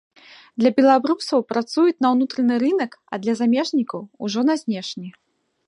Для беларусаў працуюць на ўнутраны рынак, а для замежнікаў ужо на знешні.